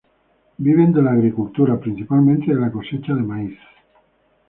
Viven de la agricultura, principalmente de la cosecha de maíz.